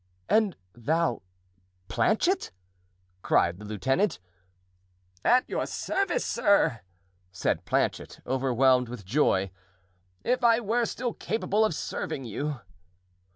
"And thou—Planchet!" cried the lieutenant. "At your service, sir," said Planchet, overwhelmed with joy; "if I were still capable of serving you."